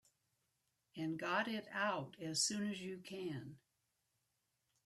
And got it out as soon as you can.